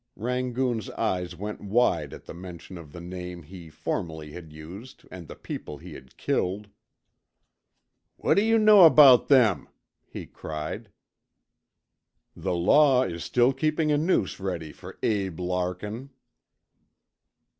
Rangoon's eyes went wide at the mention of the name he formerly had used and the people he had killed. "What d'yuh know about them?" he cried. "The law is still keeping a noose ready for Abe Larkin."